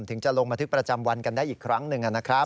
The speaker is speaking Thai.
ถึงจะลงบันทึกประจำวันกันได้อีกครั้งหนึ่งนะครับ